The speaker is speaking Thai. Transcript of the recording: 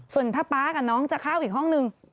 ส่วนถ้าป๊ากับน้องจะเข้าอีกห้องนึง